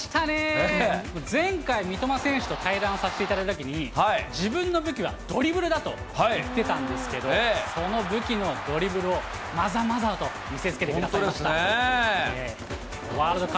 前回、三笘選手と対談させていただいたときに、自分の武器はドリブルだと言ってたんですけど、その武器のドリブルをまざまざと見せつけてくださいました。